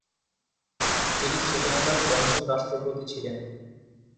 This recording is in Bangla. তিনি শ্রীলঙ্কার পঞ্চম রাষ্ট্রপতি ছিলেন।